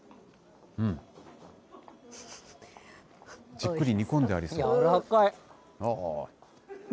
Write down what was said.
じっくり煮込んでありそう。